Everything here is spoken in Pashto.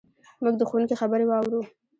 موږ د ښوونکي خبرې واورو.